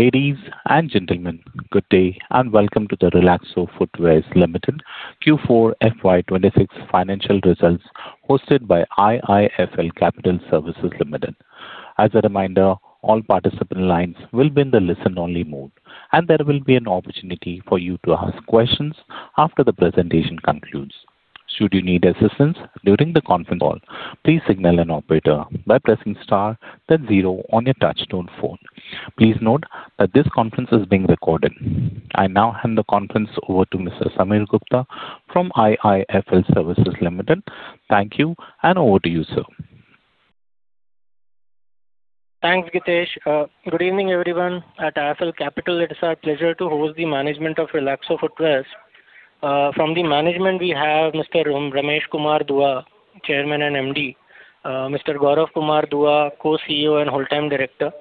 Ladies and gentlemen, good day and welcome to the Relaxo Footwears Limited Q4 FY 2026 financial results, hosted by IIFL Capital Services Limited. As a reminder, all participant lines will be in the listen-only mode, and there will be an opportunity for you to ask questions after the presentation concludes. Should you need assistance during the conference call, please signal an operator by pressing star then zero on your touchtone phone. Please note that this conference is being recorded. I now hand the conference over to Mr. Sameer Gupta from IIFL Capital Services Limited. Thank you, and over to you sir. Thanks, Gitesh. Good evening, everyone. At IIFL Capital, it is our pleasure to host the management of Relaxo Footwears. From the management, we have Mr. Ramesh Kumar Dua, Chairman and MD; Mr. Gaurav Kumaar Dua, Co-CEO and Whole-time Director;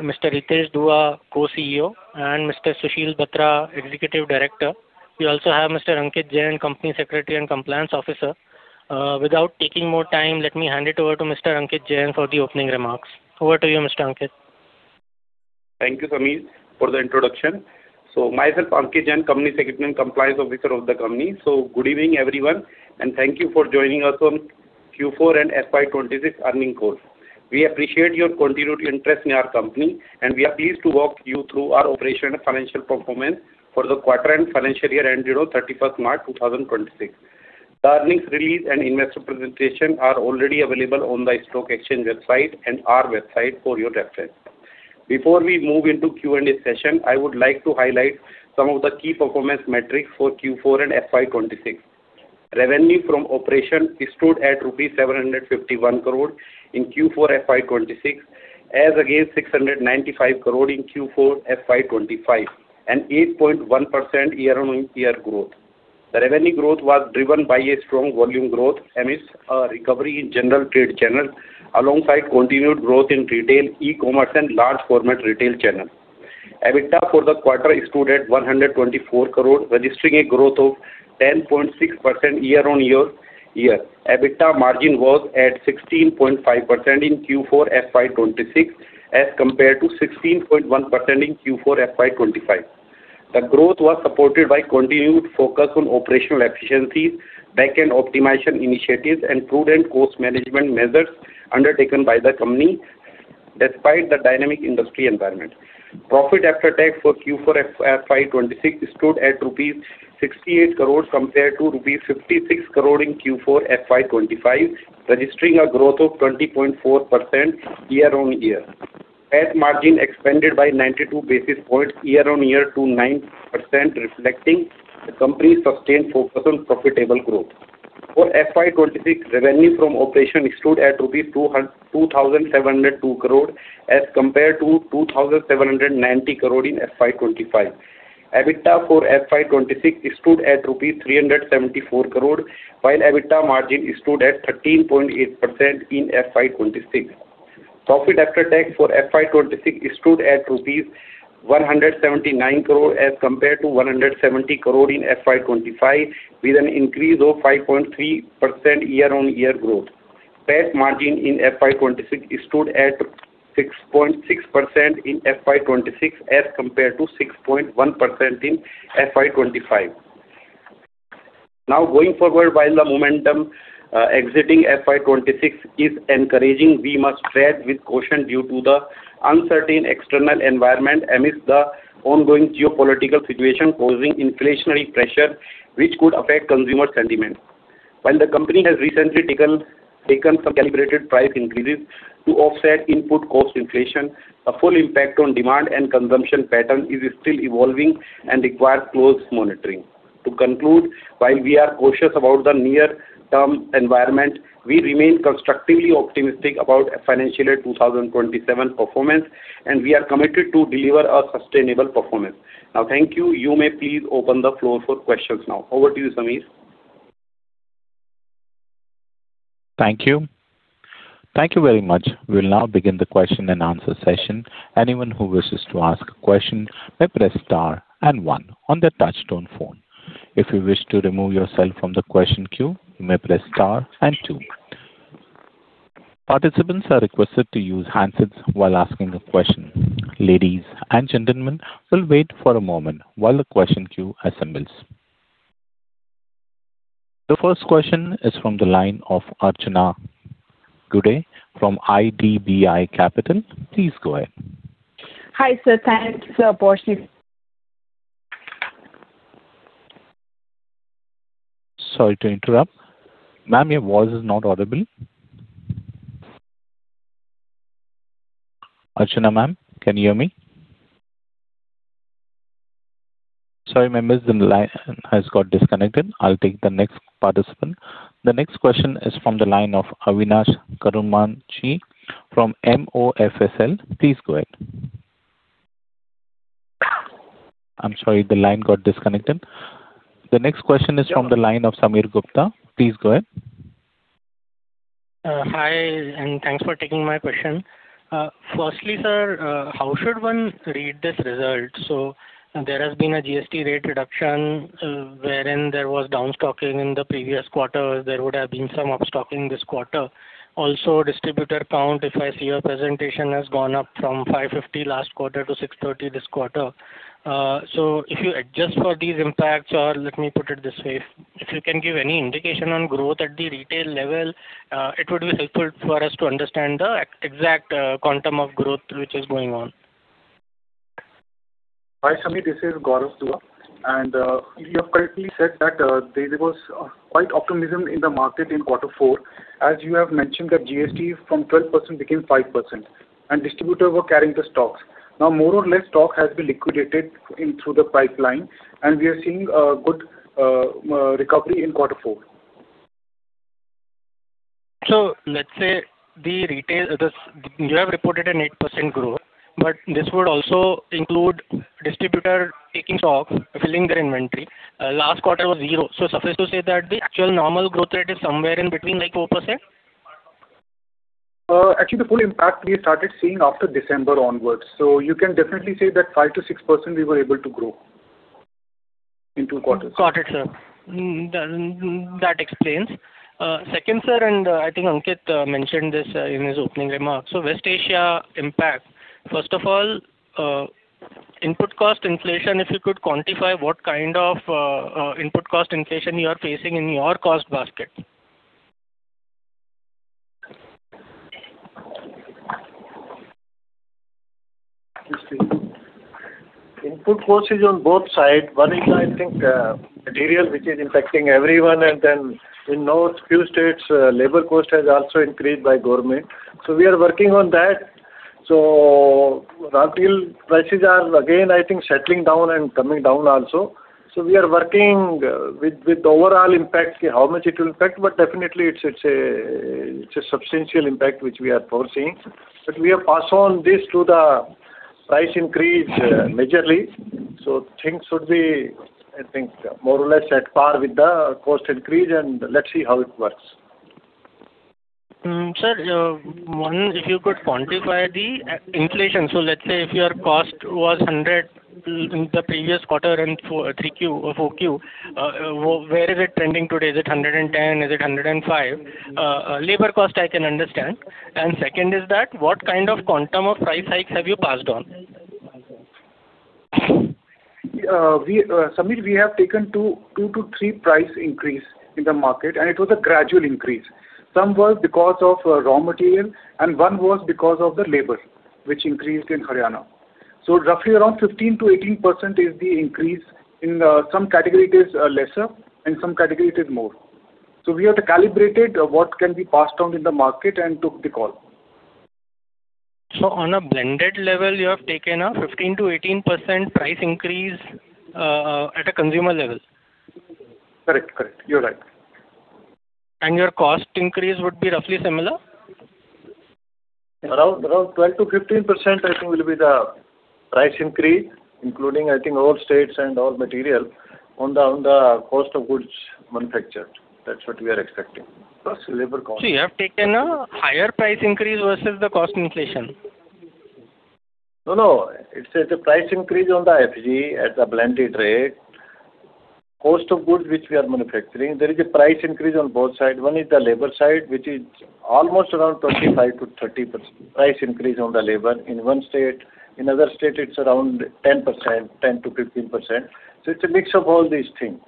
Mr. Ritesh Dua, Co-CEO; and Mr. Sushil Batra, Executive Director. We also have Mr. Ankit Jain, Company Secretary and Compliance Officer. Without taking more time, let me hand it over to Mr. Ankit Jain for the opening remarks. Over to you, Mr. Ankit. Thank you, Sameer, for the introduction. Myself, Ankit Jain, Company Secretary and Compliance Officer of the company. Good evening, everyone, and thank you for joining us on Q4 and FY 2026 earnings call. We appreciate your continued interest in our company, and we are pleased to walk you through our operational and financial performance for the quarter and financial year ended on 31st March 2026. The earnings release and investor presentation are already available on the stock exchange website and our website for your reference. Before we move into Q&A session, I would like to highlight some of the key performance metrics for Q4 and FY 2026. Revenue from operation stood at rupees 751 crores in Q4 FY 2026, as against 695 crores in Q4 FY 2025, an 8.1% year-over-year growth. The revenue growth was driven by a strong volume growth amidst a recovery in general trade channel, alongside continued growth in retail, e-commerce, and large format retail channel. EBITDA for the quarter stood at 124 crores, registering a growth of 10.6% year-on-year. EBITDA margin was at 16.5% in Q4 FY 2026 as compared to 16.1% in Q4 FY 2025. The growth was supported by continued focus on operational efficiencies, back-end optimization initiatives, and prudent cost management measures undertaken by the company despite the dynamic industry environment. Profit after tax for Q4 FY 2026 stood at rupees 68 crores compared to rupees 56 crores in Q4 FY 2025, registering a growth of 20.4% year-on-year. PAT margin expanded by 92 basis points year-on-year to 9%, reflecting the company's sustained focus on profitable growth. For FY 2026, revenue from operation stood at rupees 2,702 crores as compared to 2,790 crores in FY 2025. EBITDA for FY 2026 stood at 374 crores, while EBITDA margin stood at 13.8% in FY 2026. Profit after tax for FY 2026 stood at rupees 179 crores as compared to 170 crores in FY 2025, with an increase of 5.3% year-on-year growth. PAT margin in FY 2026 stood at 6.6% in FY 2026 as compared to 6.1% in FY 2025. Now going forward, while the momentum exiting FY 2026 is encouraging, we must tread with caution due to the uncertain external environment amidst the ongoing geopolitical situation causing inflationary pressure, which could affect consumer sentiment. While the company has recently taken some calibrated price increases to offset input cost inflation, the full impact on demand and consumption pattern is still evolving and requires close monitoring. To conclude, while we are cautious about the near-term environment, we remain constructively optimistic about FY 2027 performance. We are committed to deliver a sustainable performance. Thank you. You may please open the floor for questions now. Over to you, Sameer. Thank you. Thank you very much. We'll now begin the question and answer session. Anyone who wishes to ask a question may press star and one on their touchtone phone. If you wish to remove yourself from the question queue, you may press star and two. Participants are requested to use handsets while asking a question. Ladies and gentlemen, we'll wait for a moment while the question queue assembles. The first question is from the line of Archana Gude from IDBI Capital. Please go ahead. Hi, sir. Sorry to interrupt. Ma'am, your voice is not audible. Archana, ma'am, can you hear me? Sorry, ma'am, is the line has got disconnected. I'll take the next participant. The next question is from the line of Avinash Karumanchi from MOFSL. Please go ahead. I'm sorry, the line got disconnected. The next question is from the line of Sameer Gupta. Please go ahead. Hi, thanks for taking my question. Firstly, sir, how should one read this result? There has been a GST rate reduction wherein there was downstocking in the previous quarter. There would have been some upstocking this quarter. Also, distributor count, if I see your presentation, has gone up from 550 last quarter to 630 this quarter. If you adjust for these impacts, or let me put it this way, if you can give any indication on growth at the retail level, it would be helpful for us to understand the exact quantum of growth which is going on. Hi, Sameer. You have correctly said that there was quite optimism in the market in quarter four. As you have mentioned, the GST from 12% became 5%, and distributors were carrying the stocks. Now, more or less stock has been liquidated through the pipeline and we are seeing a good recovery in quarter four. Let's say you have reported an 8% growth, but this would also include distributor taking stock, filling their inventory. Last quarter was zero, so suffice to say that the actual normal growth rate is somewhere in between 4%? The full impact we started seeing after December onwards. You can definitely say that 5%-6% we were able to grow into quarters. Got it, sir. That explains. Second, sir, I think Ankit mentioned this in his opening remarks. West Asia impact. First of all, input cost inflation, if you could quantify what kind of input cost inflation you are facing in your cost basket. Input cost is on both sides. One is material, which is affecting everyone. In those few states, labor cost has also increased by government. We are working on that. Raw material prices are again settling down and coming down also. We are working with the overall impact, how much it will impact. Definitely it's a substantial impact which we are foreseeing. We have passed on this to the price increase majorly. Things should be more or less at par with the cost increase. Let's see how it works. Sir, one, if you could quantify the inflation. let's say if your cost was 100 in the previous quarter in 4Q, where is it trending today? Is it 110? Is it 105? Labor cost I can understand. Second is that what kind of quantum of price hikes have you passed on? Sameer, we have taken two to three price increase in the market. It was a gradual increase. Some was because of raw material, and one was because of the labor, which increased in Haryana. Roughly around 15%-18% is the increase. In some category, it is lesser, in some category, it is more. We have to calibrate what can be passed on in the market, and took the call. On a blended level, you have taken a 15%-18% price increase at a consumer level. Correct. You're right. Your cost increase would be roughly similar? Around 12%-15%, I think, will be the price increase, including, I think, all states and all material on the cost of goods manufactured. That's what we are expecting. Plus labor cost. You have taken a higher price increase versus the cost inflation? No, no. It's the price increase on the FCG at the blended rate. Cost of goods which we are manufacturing, there is a price increase on both sides. One is the labor side, which is almost around 25%-30% price increase on the labor in one state. In other state, it's around 10%-15%. It's a mix of all these things.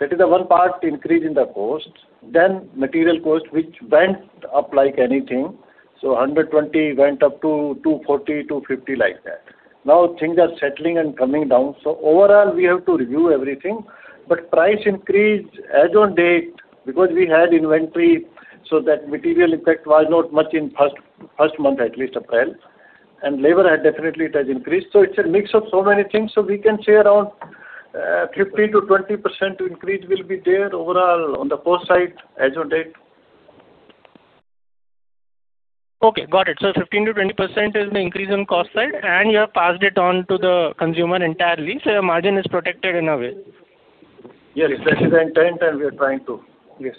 That is the one part increase in the cost. Material cost, which went up like anything. 120 went up to 240, 250, like that. Now things are settling and coming down. Overall, we have to review everything. Price increase as on date, because we had inventory, so that material impact was not much in first month, at least, April. Labor definitely it has increased. It's a mix of so many things. We can say around 15%-20% increase will be there overall on the cost side as on date. Okay, got it. 15%-20% is the increase on cost side, and you have passed it on to the consumer entirely, so your margin is protected in a way. Yes, that is the intent, and we are trying to. Yes.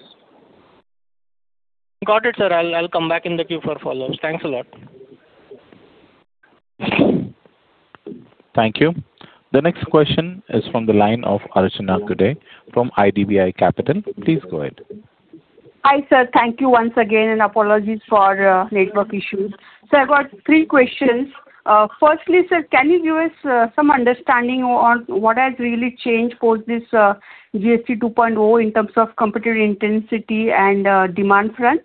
Got it, sir. I'll come back in the queue for follow-ups. Thanks a lot. Thank you. The next question is from the line ofc Please go ahead. Hi, sir. Thank you once again, and apologies for network issues. I've got three questions. Firstly, sir, can you give us some understanding on what has really changed post this GST 2.0 in terms of competitive intensity and demand front?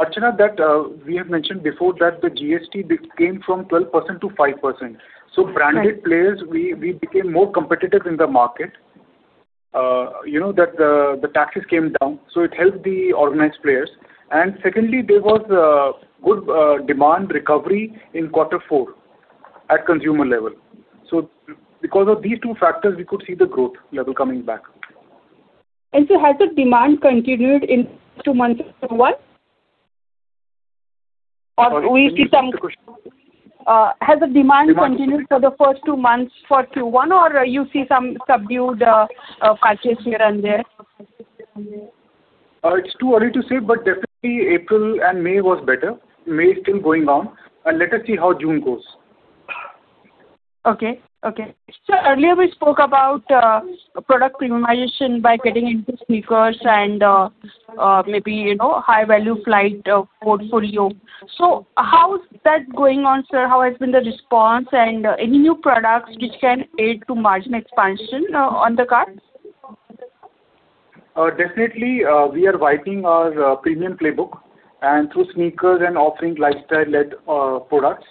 Archana, we have mentioned before that the GST came from 12% to 5%. Branded players, we became more competitive in the market. The taxes came down, it helped the organized players. Secondly, there was a good demand recovery in quarter four at consumer level. Because of these two factors, we could see the growth level coming back. Sir, has the demand continued for the first two months for Q1, or you see some subdued purchase here and there? It's too early to say, but definitely April and May was better. May is still going on, and let us see how June goes. Okay. Sir, earlier we spoke about product premiumization by getting into sneakers and maybe high-value Flite portfolio. How's that going on, sir? How has been the response, and any new products which can aid to margin expansion on the cards? Definitely, we are wiping our premium playbook and through sneakers and offering lifestyle-led products.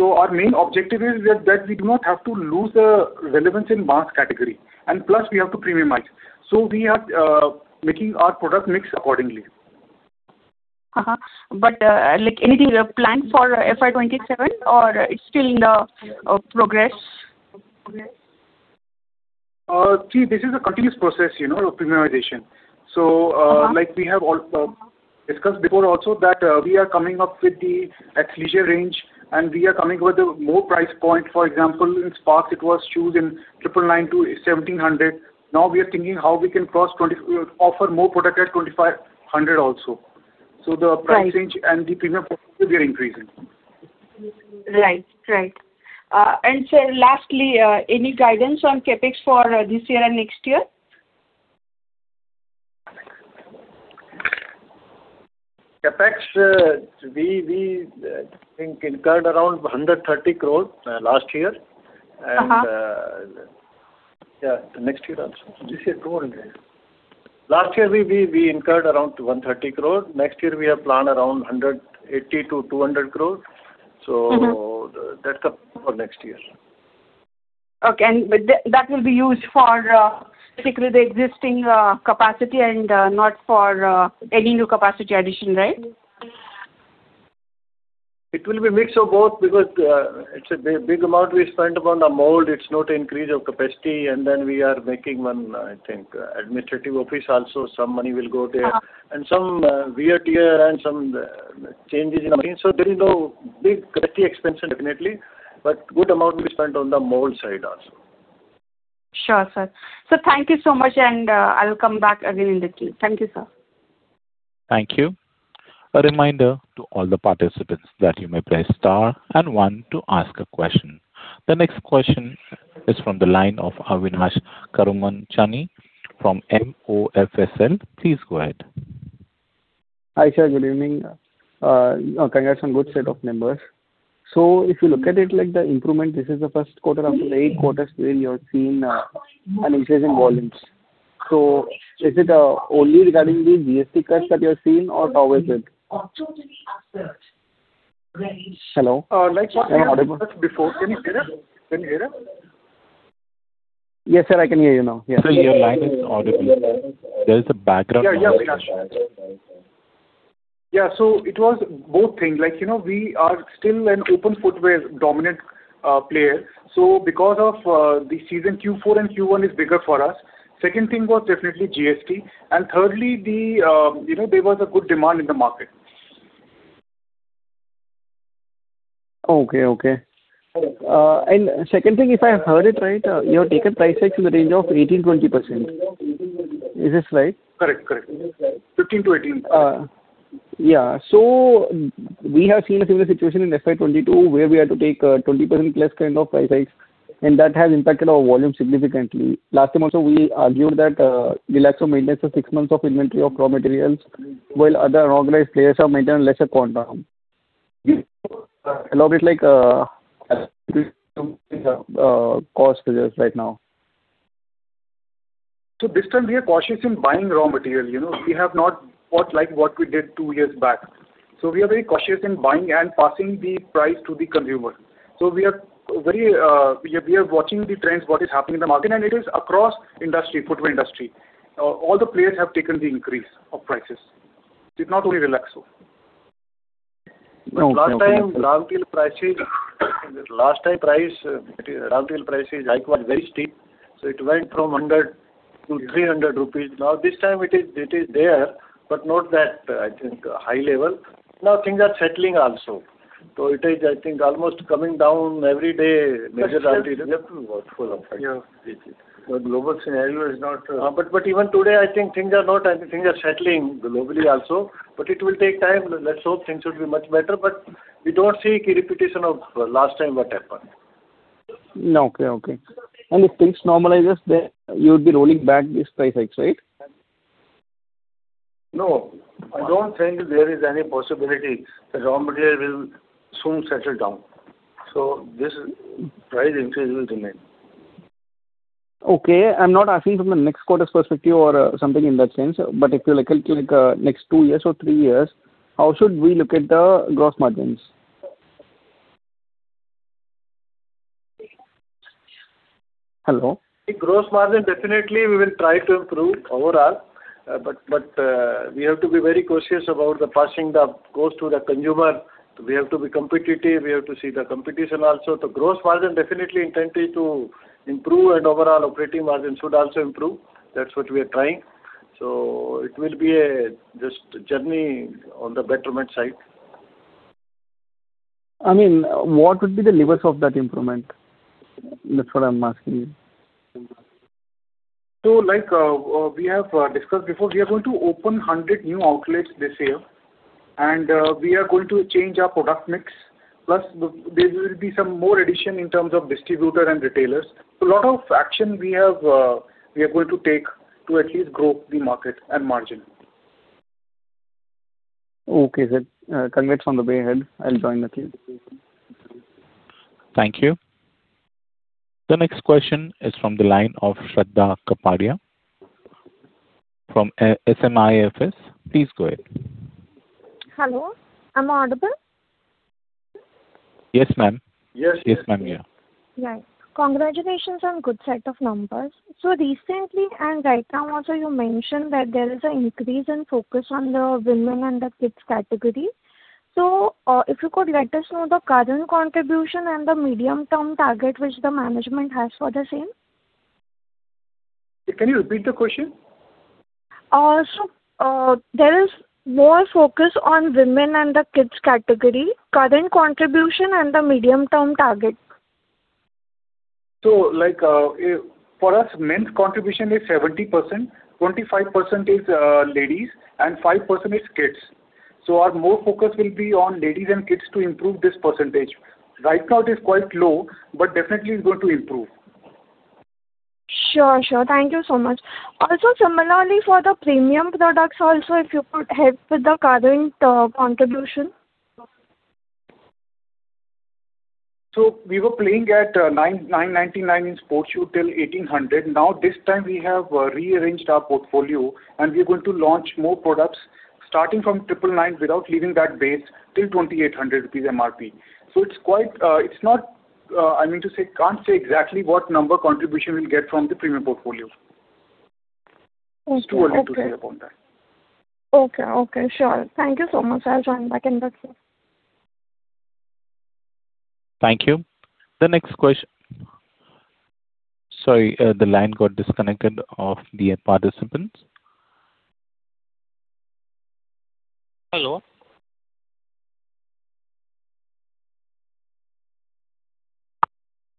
Our main objective is that we do not have to lose the relevance in mass category. Plus, we have to premiumize. We are making our product mix accordingly. Anything planned for FY 2027 or it's still in progress? This is a continuous process, premiumization. Like we have discussed before also that we are coming up with the athleisure range, and we are coming with a more price point. For example, in Sparx, it was shoes in 999-1,700. Now we are thinking how we can offer more product at 2,500 also. Right. The price range and the premium products will be increasing. Right. Sir, lastly, any guidance on CapEx for this year and next year? CapEx, we incurred around 130 crores last year. The next year also. This year 200 crores. Last year we incurred around 130 crores. Next year we have planned around 180 to 200 crores. That covers for next year. Okay. That will be used for basically the existing capacity and not for any new capacity addition, right? It will be a mix of both because it's a big amount we spent upon the mold. It's not an increase of capacity. Then we are making one, I think, administrative office also. Some money will go there. Some wear and tear and some changes in the means. There is no big capacity expansion, definitely. Good amount we spent on the mold side also. Sure, sir. Sir, thank you so much. I will come back again in the queue. Thank you, sir. Thank you. A reminder to all the participants that you may press star and one to ask a question. The next question is from the line of Avinash Karumanchi from MOFSL. Please go ahead. Hi, sir. Good evening. Congrats on good set of numbers. If you look at it like the improvement, this is the first quarter after eight quarters where you have seen an increase in volumes. Is it only regarding the GST cuts that you're seeing or how is it? Hello? Like before. Can you hear us? Yes, sir, I can hear you now. Yes. Sir, your line is audible. There is a background noise. Yeah. It was both things. We are still an open footwear dominant player. Because of the season, Q4 and Q1 is bigger for us. Second thing was definitely GST, and thirdly, there was a good demand in the market. Okay. Second thing, if I have heard it right, you have taken price hikes in the range of 18%-20%. Is this right? Correct. 15 to 18. Yeah. We have seen a similar situation in FY 2022 where we had to take a 20%-plus kind of price hikes, and that has impacted our volume significantly. Last time also, we argued that Relaxo maintains a six months of inventory of raw materials, while other organized players have maintained a lesser quantum. A little bit like cost for this right now. This time we are cautious in buying raw material. We have not bought like what we did two years back. We are very cautious in buying and passing the price to the consumer. We are watching the trends, what is happening in the market, and it is across industry, footwear industry. All the players have taken the increase of prices. It's not only Relaxo. Last time, raw material prices hiked was very steep. It went from 100 to 300 rupees. This time it is there, but not that, I think, high level. Things are settling also. It is, I think, almost coming down every day. Still we have to be watchful of it. Yeah. The global scenario is not. Even today, I think things are settling globally also, but it will take time. Let's hope things should be much better, but we don't see a repetition of last time what happened. Okay. If things normalizes, then you'll be rolling back these price hikes, right? No, I don't think there is any possibility. The raw material will soon settle down. This price increase will remain. Okay. I'm not asking from the next quarter's perspective or something in that sense. If you look at next two years or three years, how should we look at the gross margins? Hello? Gross margin, definitely we will try to improve overall. We have to be very cautious about passing the cost to the consumer. We have to be competitive. We have to see the competition also. The gross margin, definitely intent is to improve and overall operating margin should also improve. That's what we are trying. It will be a journey on the betterment side. What would be the levers of that improvement? That's what I'm asking you. Like we have discussed before, we are going to open 100 new outlets this year, and we are going to change our product mix. Plus, there will be some more addition in terms of distributors and retailers. Lot of action we are going to take to at least grow the market and margin. Okay, sir. Congrats on the way ahead. I'll join the queue. Thank you. The next question is from the line of Shraddha Kapadia from SMIFS Ltd. Please go ahead. Hello, am I audible? Yes, ma'am. Yes. Yes, ma'am. Yeah. Right. Congratulations on good set of numbers. Recently, and right now also, you mentioned that there is an increase in focus on the women and the kids category. If you could let us know the current contribution and the medium-term target which the management has for the same. Can you repeat the question? There is more focus on women and the kids category, current contribution and the medium-term target. For us, men's contribution is 70%, 25% is ladies, and 5% is kids. Our more focus will be on ladies and kids to improve this percentage. Right now it is quite low, but definitely it's going to improve. Sure. Thank you so much. Similarly for the premium products also, if you could help with the current contribution. We were playing at 999 in sports shoe till 1,800. This time we have rearranged our portfolio, and we are going to launch more products starting from 999 without leaving that base till 2,800 rupees MRP. I mean to say, can't say exactly what number contribution we'll get from the premium portfolio. Okay. It's too early to say upon that. Okay. Sure. Thank you so much. I'll join back in the queue. Thank you. The next question. Sorry, the line got disconnected of the participant. Hello.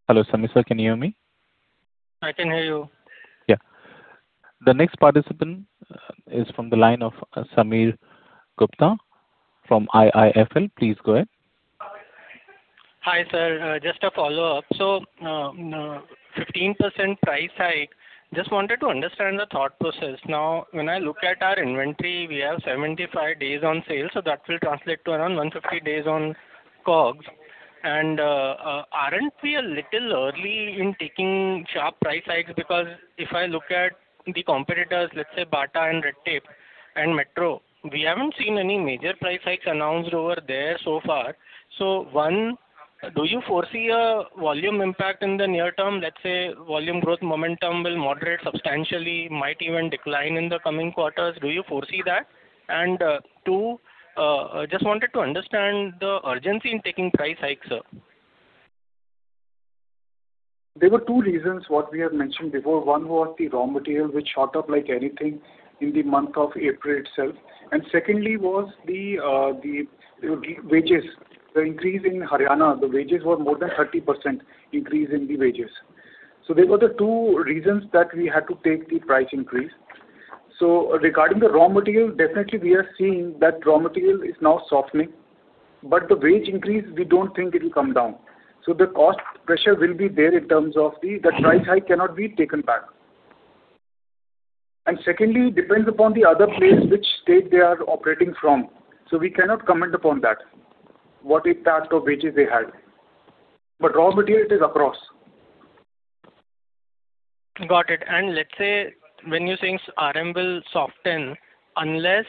Hello, Sameer sir, can you hear me? I can hear you. Yeah. The next participant is from the line of Sameer Gupta from IIFL. Please go ahead. Hi, sir. Just a follow-up. 15% price hike, just wanted to understand the thought process. When I look at our inventory, we have 75 days on sale, so that will translate to around 150 days on COGS. Aren't we a little early in taking sharp price hikes? Because if I look at the competitors, let's say Bata and Red Tape and Metro, we haven't seen any major price hikes announced over there so far. One, do you foresee a volume impact in the near term? Let's say volume growth momentum will moderate substantially, might even decline in the coming quarters. Do you foresee that? Two, just wanted to understand the urgency in taking price hike, sir. There were two reasons what we have mentioned before. One was the raw material, which shot up like anything in the month of April itself. Secondly was the wages. The increase in Haryana, the wages were more than 30% increase in the wages. They were the two reasons that we had to take the price increase. Regarding the raw material, definitely we are seeing that raw material is now softening. The wage increase, we don't think it will come down. The cost pressure will be there in terms of the price hike cannot be taken back. Secondly, it depends upon the other players which state they are operating from. We cannot comment upon that, what is the type of wages they had. Raw material it is across. Got it. Let's say when you're saying RM will soften, the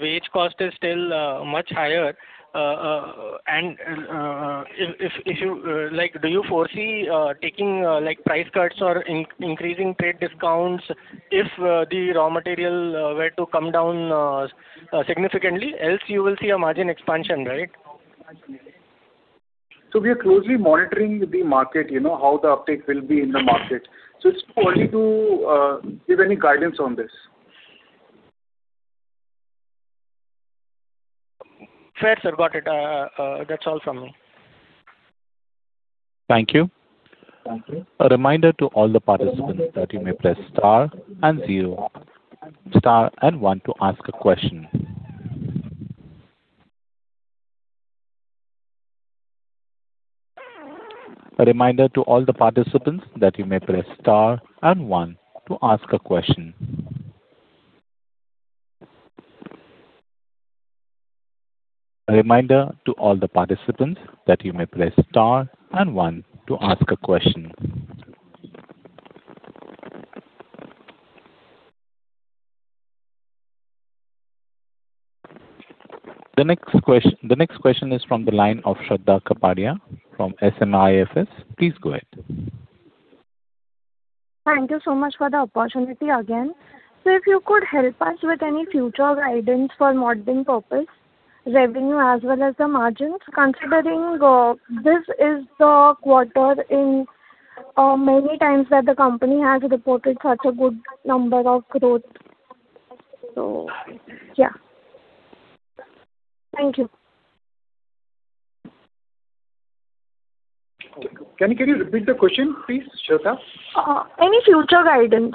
wage cost is still much higher. Do you foresee taking price cuts or increasing trade discounts if the raw material were to come down significantly? Else you will see a margin expansion, right? We are closely monitoring the market, how the uptake will be in the market. It's too early to give any guidance on this. Fair sir, got it. That's all from me. Thank you. Thank you. A reminder to all the participants that you may press Star and One to ask a question. The next question is from the line of Shraddha Kapadia from SMIFS Ltd. Please go ahead. Thank you so much for the opportunity again. Sir, if you could help us with any future guidance for modeling purpose revenue as well as the margins, considering this is the quarter in many times that the company has reported such a good number of growth. Thank you. Can you repeat the question, please, Shraddha Kapadia? Any future guidance?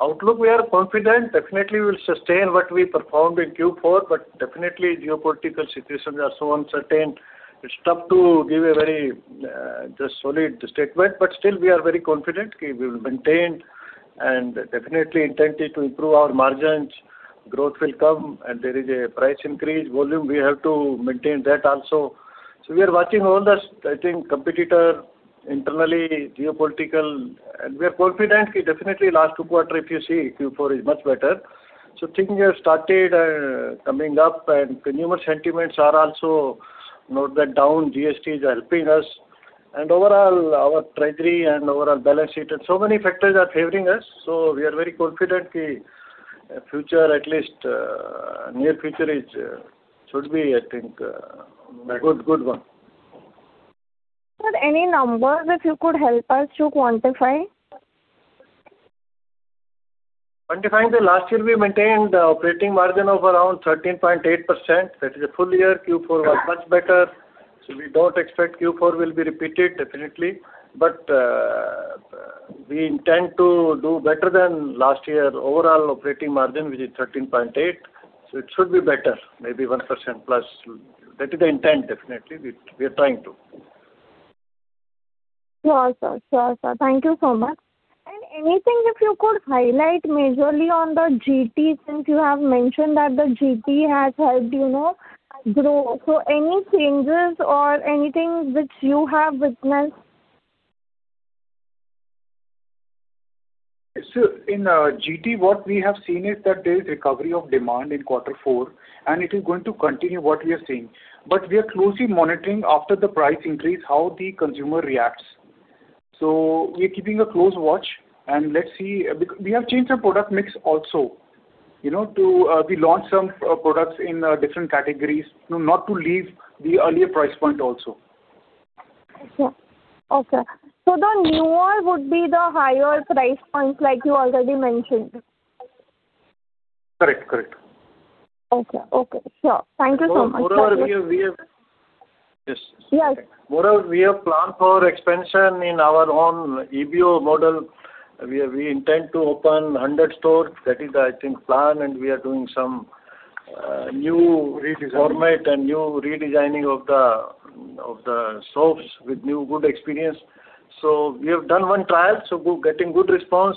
Outlook, we are confident. Definitely we'll sustain what we performed in Q4. Definitely geopolitical situations are so uncertain. It's tough to give a very solid statement. Still we are very confident we will maintain and definitely intended to improve our margins. Growth will come. There is a price increase. Volume, we have to maintain that also. We are watching all the competitor, internally, geopolitical. We are confident. Definitely last two quarter, if you see, Q4 is much better. Things have started coming up. Consumer sentiments are also not that down. GST is helping us. Overall our treasury and overall balance sheet. So many factors are favoring us. We are very confident future, at least near future should be, I think, a good one. Sir, any numbers if you could help us to quantify? Quantifying, the last year we maintained operating margin of around 13.8%. That is a full year. Q4 was much better. We don't expect Q4 will be repeated, definitely. We intend to do better than last year's overall operating margin, which is 13.8%. It should be better, maybe 1% plus. That is the intent, definitely. We are trying to. Sure, sir. Thank you so much. Anything, if you could highlight majorly on the GT, since you have mentioned that the GT has helped grow. Any changes or anything which you have witnessed? In GT, what we have seen is that there is recovery of demand in quarter four, and it is going to continue what we are seeing. We are closely monitoring after the price increase, how the consumer reacts. We are keeping a close watch and let's see. We have changed the product mix also. We launched some products in different categories, not to leave the earlier price point also. Okay. The newer would be the higher price points like you already mentioned. Correct. Okay. Sure. Thank you so much. Moreover, we have- Yes. Moreover, we have planned for expansion in our own EBO model. We intend to open 100 stores. That is i think, plan, we are doing some new format and new redesigning of the stores with new good experience. We have done one trial, getting good response.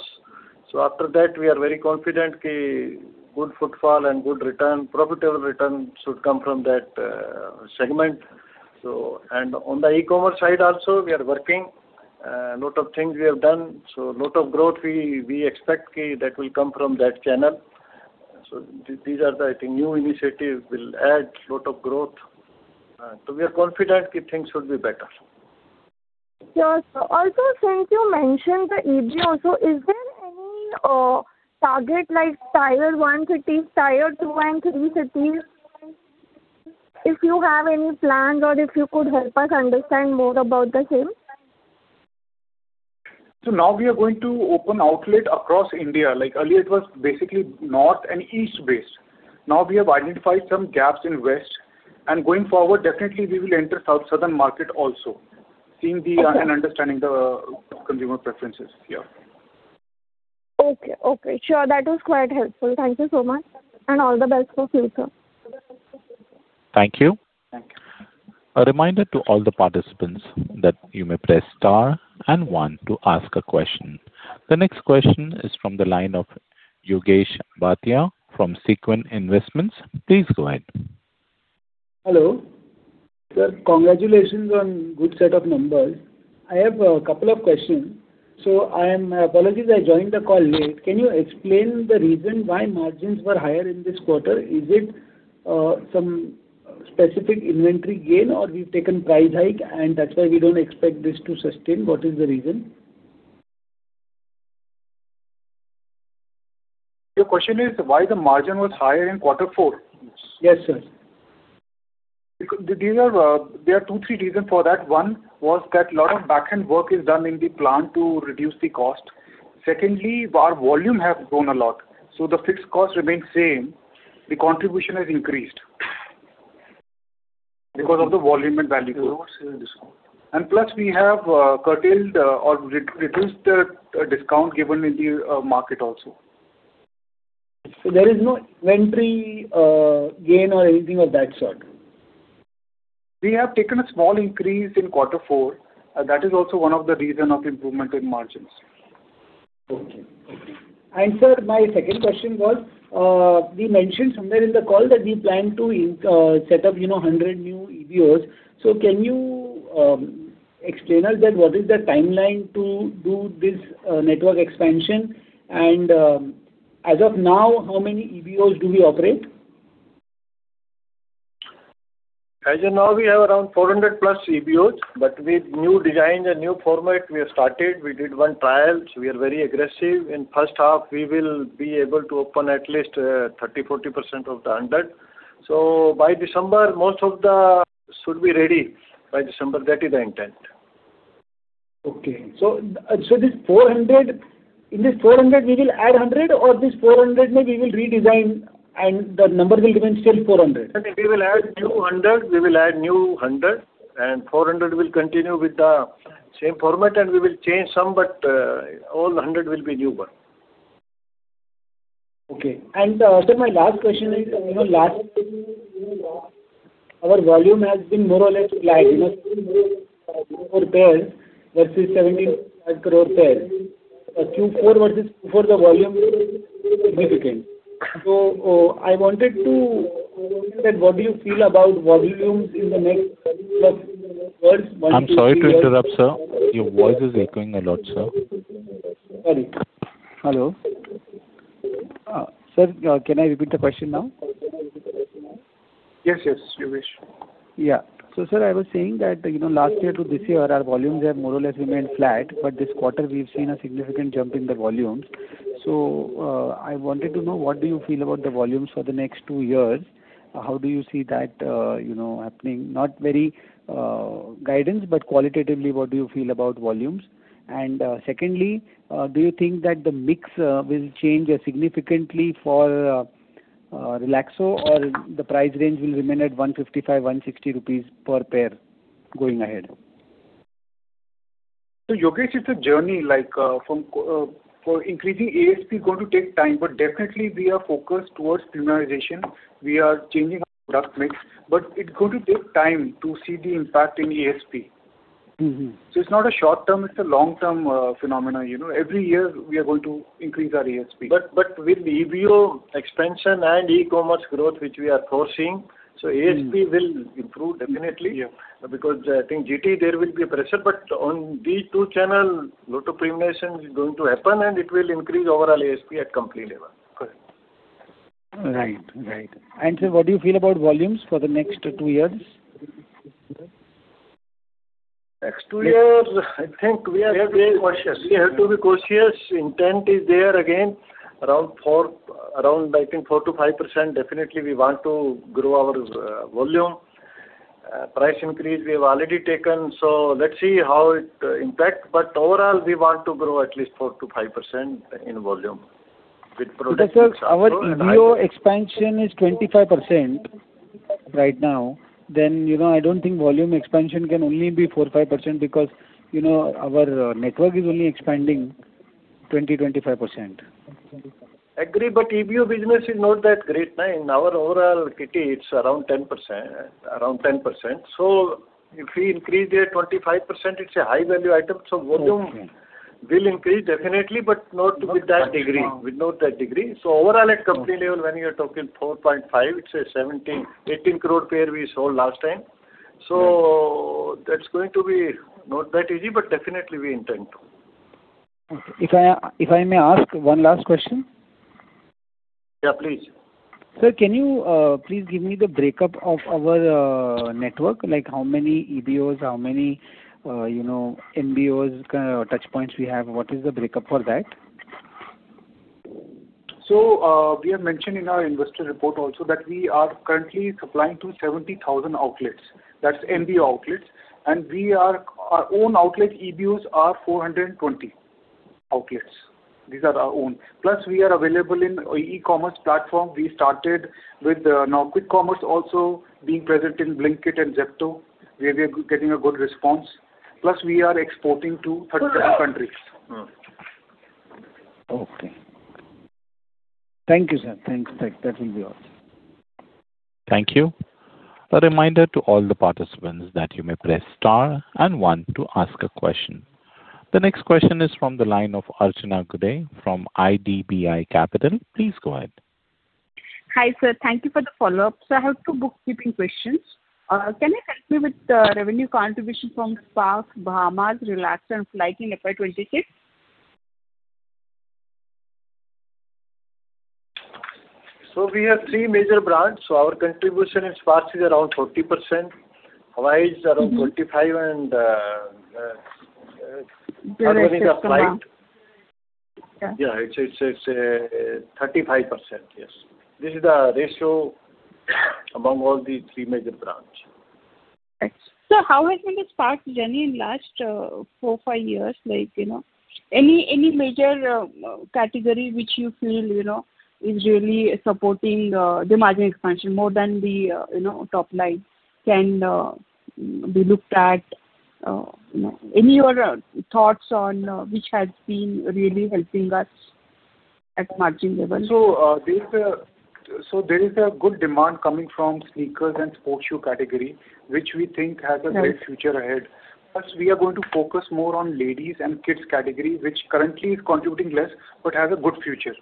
After that we are very confident good footfall and good return, profitable return should come from that segment. On the e-commerce side also, we are working. A lot of things we have done, lot of growth we expect that will come from that channel. These are, I think, new initiative will add lot of growth. We are confident things should be better. Sure, sir. Since you mentioned the EBO, is there any target like tier 1 cities, tier two and three cities? If you have any plans or if you could help us understand more about the same. Now we are going to open outlet across India. Like earlier it was basically north and east-based. Now we have identified some gaps in west, and going forward, definitely we will enter southern market also, seeing and understanding the consumer preferences. Yeah. Okay. Sure. That was quite helpful. Thank you so much, and all the best for future. Thank you. A reminder to all the participants that you may press star and one to ask a question. The next question is from the line of Yogesh Bhatia from Sequent Investments. Please go ahead. Hello. Sir, congratulations on good set of numbers. I have a couple of questions. My apologies, I joined the call late. Can you explain the reason why margins were higher in this quarter? Is it some specific inventory gain or you've taken price hike and that's why we don't expect this to sustain? What is the reason? Your question is why the margin was higher in quarter four? Yes, sir. There are two, three reasons for that. One was that lot of back-end work is done in the plant to reduce the cost. Secondly, our volume has grown a lot, so the fixed cost remains same. The contribution has increased because of the volume and value. Plus we have curtailed or reduced the discount given in the market also. There is no inventory gain or anything of that sort? We have taken a small increase in quarter four. That is also one of the reason of improvement in margins. Okay. Sir, my second question was, we mentioned somewhere in the call that we plan to set up 100 new EBOs. Can you explain us then what is the timeline to do this network expansion? As of now, how many EBOs do we operate? As of now, we have around 400 plus EBOs, but with new designs and new format we have started. We did one trial, so we are very aggressive. In first half, we will be able to open at least 30%-40% of the 100. By December, most should be ready. That is the intent. In this 400, we will add 100, or this 400 maybe we will redesign and the number will remain still 400? We will add new 100 and 400 will continue with the same format, and we will change some, but all the 100 will be new ones. Okay. Sir, my last question is, last year our volume has been more or less flat. 175 crore pairs versus 175 crore pairs. Q4 versus Q4, the volume is significant. I wanted to know what do you feel about volumes in the next plus years? I'm sorry to interrupt, sir. Your voice is echoing a lot, sir. Sorry. Hello. Sir, can I repeat the question now? Yes, if you wish. Yeah. Sir, I was saying that last year to this year, our volumes have more or less remained flat, this quarter we've seen a significant jump in the volumes. I wanted to know what do you feel about the volumes for the next two years? How do you see that happening? Not very guidance, qualitatively, what do you feel about volumes? Secondly, do you think that the mix will change significantly for Relaxo or the price range will remain at 155 rupees, 160 rupees per pair going ahead? Yogesh, it's a journey. For increasing ASP is going to take time, but definitely we are focused towards premiumization. We are changing our product mix. It's going to take time to see the impact in ASP. It's not a short term, it's a long term phenomenon. Every year we are going to increase our ASP. With EBO expansion and e-commerce growth, which we are foreseeing, so ASP will improve definitely. Yeah. I think GT, there will be a pressure, but on these two channel, due to premiumization is going to happen and it will increase overall ASP at company level. Correct. Right. Sir, what do you feel about volumes for the next two years? Next two years, I think we have to be cautious. Intent is there again, around, I think 4%-5%, definitely we want to grow our volume. Price increase we have already taken, let's see how it impacts. Overall, we want to grow at least 4%-5% in volume with product mix. Sir, our EBO expansion is 25% right now. I don't think volume expansion can only be 4%, 5%, because our network is only expanding 20%, 25%. Agree, EBO business is not that great. In our overall kitty, it's around 10%. If we increase their 25%, it's a high-value item, so volume will increase definitely, but not to that degree. Overall, at company level, when you are talking 4.5, it's a 17, 18 crore pair we sold last time. That's going to be not that easy, but definitely we intend to. Okay. If I may ask one last question. Yeah, please. Sir, can you please give me the breakup of our network? Like how many EBOs, how many MBOs touchpoints we have? What is the breakup for that? We have mentioned in our investor report also that we are currently supplying to 70,000 outlets, that's MBO outlets. Our own outlet, EBOs, are 420 outlets. These are our own. We are available in e-commerce platform. We started with now quick commerce also, being present in Blinkit and Zepto, where we are getting a good response. We are exporting to 37 countries. Okay. Thank you, sir. That will be all. Thank you. A reminder to all the participants that you may press star and one to ask a question. The next question is from the line of Archana Gude from IDBI Capital. Please go ahead. Hi, sir. Thank you for the follow-up. Sir, I have two bookkeeping questions. Can you help me with the revenue contribution from Sparx, Bahamas, Relaxo and Flite in FY 2026? We have three major brands. Our contribution in Sparx is around 40%, Hawaii is around 25%, and Bahamas and Flite. Yeah. Yeah, it's 35%. Yes. This is the ratio among all the three major brands. Right. Sir, how has been the Sparx journey in last four, five years? Any major category which you feel is really supporting the margin expansion more than the top line can be looked at? Any other thoughts on which has been really helping us at margin level? There is a good demand coming from sneakers and sports shoe category, which we think has a great future ahead. Plus, we are going to focus more on ladies and kids category, which currently is contributing less but has a good future.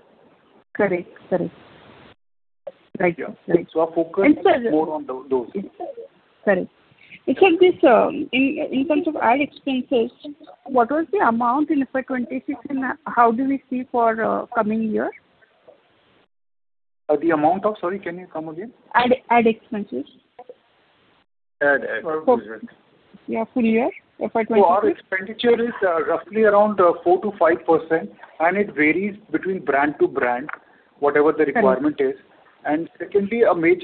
Correct. Right. Yeah. Our focus is more on those. Correct. Sir, in terms of ad expenses, what was the amount in FY 2026, and how do we see for coming year? Sorry, can you come again? Ad expenses. Ad. For full year FY 2026. Our expenditure is roughly around 4%-5%, and it varies between brand to brand, whatever the requirement is. Secondly, a big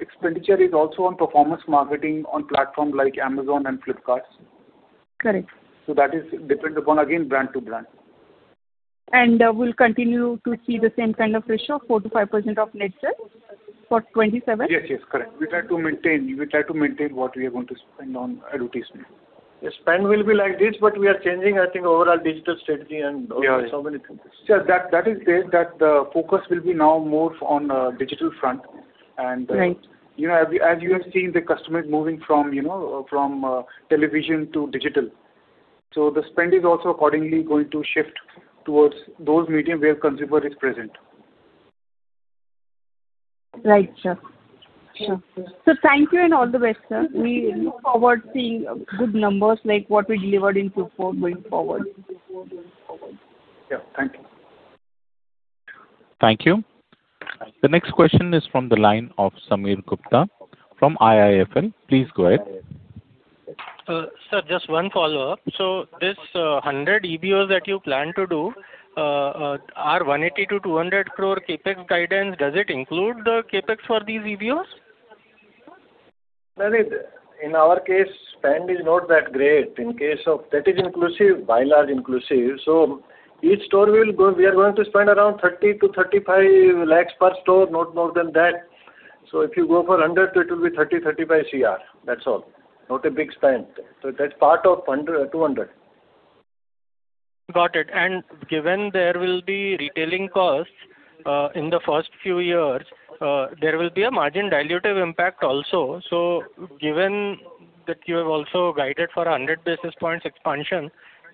expenditure is also on performance marketing on platforms like Amazon and Flipkart. Correct. That depends upon, again, brand to brand. We'll continue to see the same kind of ratio, 4%-5% of net sales for 2027? Yes. Correct. We try to maintain what we are going to spend on advertisement. The spend will be like this, but we are changing, I think, overall digital strategy and also so many things. Sir, that is there, that the focus will be now more on digital front. Right. As you have seen, the customer is moving from television to digital. The spend is also accordingly going to shift towards those medium where consumer is present. Right, sir. Sure. Sir, thank you and all the best, sir. We look forward seeing good numbers like what we delivered in Q4 going forward. Yeah. Thank you. Thank you. The next question is from the line of Sameer Gupta from IIFL. Please go ahead. Sir, just one follow-up. This 100 EBOs that you plan to do, our 180 crore-200 crore CapEx guidance, does it include the CapEx for these EBOs? In our case, spend is not that great. That is inclusive, by large inclusive. We are going to spend around 30-35 lakhs per store, not more than that. If you go for 100, it will be 30-35 crore. That's all. Not a big spend. That's part of 200. Got it. Given there will be retailing costs in the first few years, there will be a margin dilutive impact also. Given that you have also guided for 100 basis points expansion,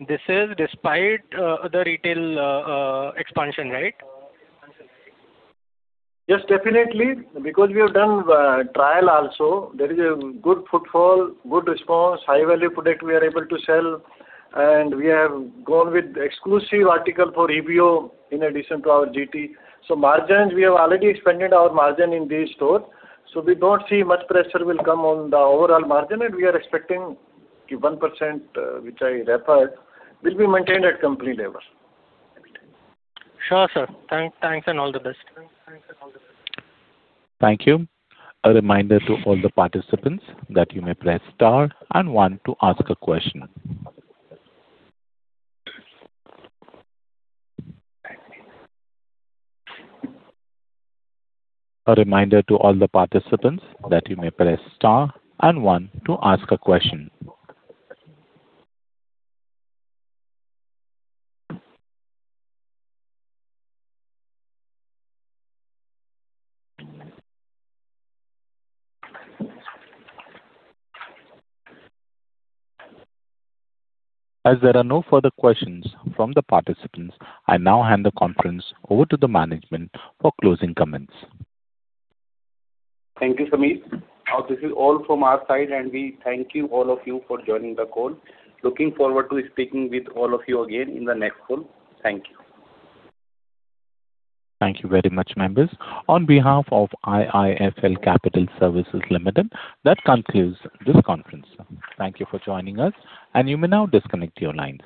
this is despite the retail expansion, right? Yes, definitely. Because we have done trial also. There is a good footfall, good response, high-value product we are able to sell, and we have gone with exclusive article for EBO in addition to our GT. Margins, we have already expanded our margin in these stores. We don't see much pressure will come on the overall margin, and we are expecting the 1%, which I referred, will be maintained at company level. Sure, sir. Thanks, and all the best. Thank you, a reminder to all the participants that you may press star and one to ask a question, a reminder to all the participants that you may star and one to ask a question As there are no further questions from the participants, I now hand the conference over to the management for closing comments. Thank you, Sameer. Now this is all from our side, and we thank you, all of you, for joining the call. Looking forward to speaking with all of you again in the next call. Thank you. Thank you very much, members. On behalf of IIFL Capital Services Limited, that concludes this conference. Thank you for joining us, and you may now disconnect your lines.